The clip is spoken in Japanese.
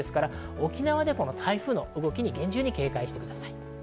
沖縄では台風の動きに厳重に警戒してください。